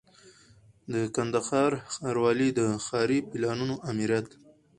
د کندهار ښاروالۍ د ښاري پلانونو آمریت